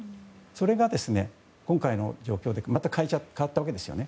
それを、今回の状況でまた変えちゃったんですよね。